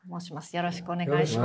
よろしくお願いします。